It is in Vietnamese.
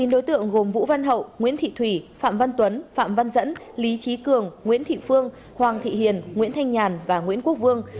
chín đối tượng gồm vũ văn hậu nguyễn thị thủy phạm văn tuấn phạm văn dẫn lý trí cường nguyễn thị phương hoàng thị hiền nguyễn thanh nhàn và nguyễn quốc vương